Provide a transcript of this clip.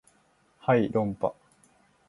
はい論破